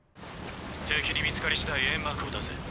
敵に見つかり次第煙幕を出せ。